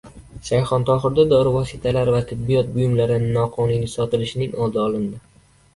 Shayxontohurda dori vositalari va tibbiyot buyumlarini noqonuniy sotilishining oldi olindi